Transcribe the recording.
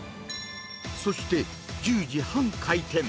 そして１０時半開店。